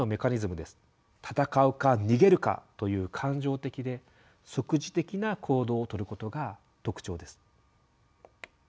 「戦うか逃げるか」という感情的で即時的な行動をとることが特徴です。